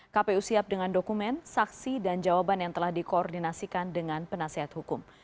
kpu siap dengan dokumen saksi dan jawaban yang telah dikoordinasikan dengan penasehat hukum